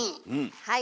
はい。